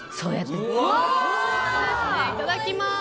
いただきます。